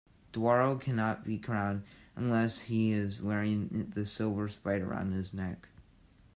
Djaro cannot be crowned unless he is wearing the Silver Spider around his neck.